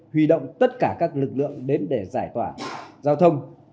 huy động tất cả các lực lượng đến để giải tỏa giao thông